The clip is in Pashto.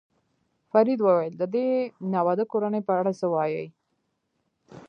فرید وویل: د دې ناواده کورنۍ په اړه څه وایې؟